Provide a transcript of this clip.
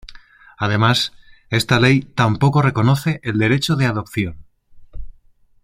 Además esta ley tampoco reconoce el derecho de adopción.